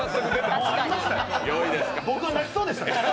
僕が泣きそうでした。